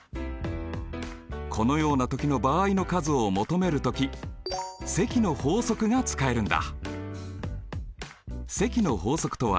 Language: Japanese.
このような時の場合の数を求める時積の法則が使えるんだ。